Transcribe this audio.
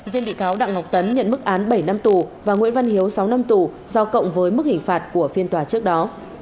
riêng bị cáo đặng ngọc tấn nhận mức án bảy năm tù và nguyễn văn hiếu sáu năm tù do cộng với mức hình phạt của phiên tòa trước đó